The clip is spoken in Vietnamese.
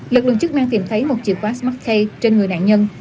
lực lượng chức năng tìm thấy một chìa khóa smart key trên người nạn nhân